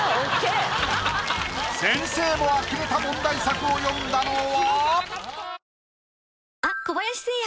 先生もあきれた問題作を詠んだのは？